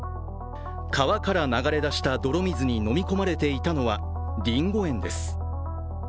川から流れ出した泥水に飲み込まれていたのはリンゴ園です。